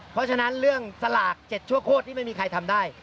เพราะฉะนั้นเรื่องสลาก๗ชั่วโคตรที่ไม่มีใครทำได้